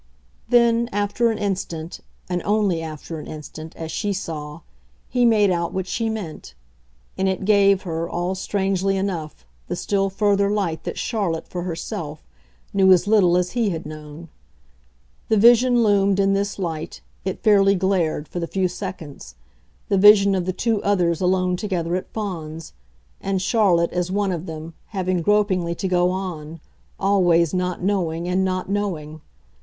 Then, after an instant and only after an instant, as she saw he made out what she meant; and it gave her, all strangely enough, the still further light that Charlotte, for herself, knew as little as he had known. The vision loomed, in this light, it fairly glared, for the few seconds the vision of the two others alone together at Fawns, and Charlotte, as one of them, having gropingly to go on, always not knowing and not knowing!